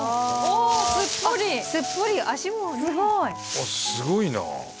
あっすごいなあ。